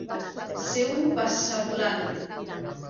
Ser un passavolant.